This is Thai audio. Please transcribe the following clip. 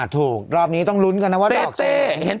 ถูกรอบนี้ต้องรุ้นกันนะเวลาของเจมส์